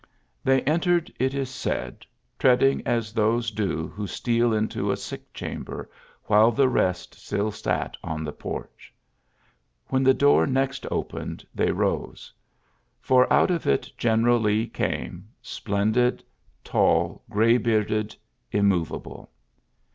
They entered, it is said, tread ing Bs those do who steal into a sick chamber, while the rest still sat on the porch. When the door next opened, they rose. For out of it General Lee came, splendid, tall, grey bearded, im movable.